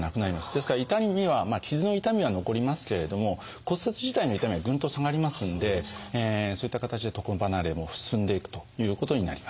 ですから痛みは傷の痛みは残りますけれども骨折自体の痛みはぐんと下がりますんでそういった形で床離れも進んでいくということになります。